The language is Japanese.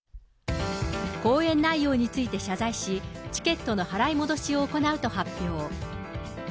公演内容について謝罪し、チケットの払い戻しを行うと発表。